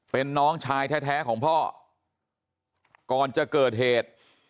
เป็นน้องชายแท้ของพ่อก่อนจะเกิดเหตุ